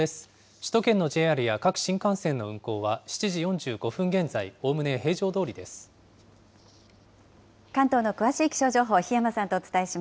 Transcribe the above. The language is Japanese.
首都圏のＪＲや各新幹線の運行は７時４５分現在、おおむね平常ど関東の詳しい気象情報、檜山